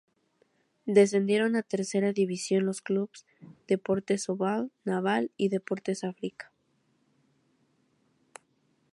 Descendieron a Tercera División los clubes Deportes Ovalle, Naval y Deportes Arica.